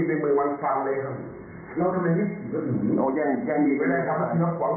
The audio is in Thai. แล้วขี่รถปวงทางเลยครับเกียจทางเลยนะครับ